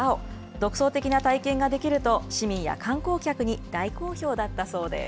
独創的な体験ができると、市民や観光客に大好評だったそうです。